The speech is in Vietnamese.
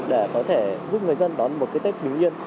để có thể giúp người dân đón một cái tết bình yên